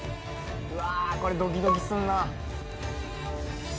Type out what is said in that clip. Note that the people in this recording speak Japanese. うわこれドキドキすんな。